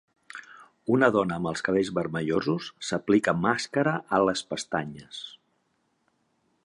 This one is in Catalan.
Una dona amb els cabells vermellosos s'aplica màscara a les pestanyes.